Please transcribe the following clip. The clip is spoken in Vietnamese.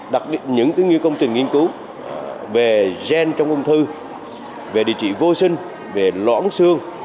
đặc biệt những công trình nghiên cứu về gen trong ung thư về điều trị vô sinh về loãng xương